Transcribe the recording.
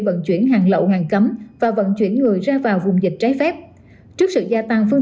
vận chuyển hàng lậu hàng cấm và vận chuyển người ra vào vùng dịch trái phép trước sự gia tăng phương